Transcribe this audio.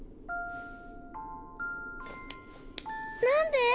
何で？